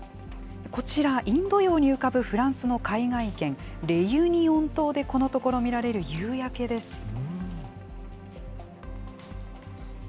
こちら、インド洋に浮かぶフランスの海外県、レユニオン島で、このところ見られる夕焼けです。